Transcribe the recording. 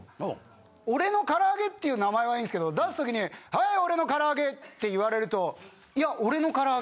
俺のから揚げっていう名前はいいんですけど出すときに「はい俺のから揚げ」って言われると。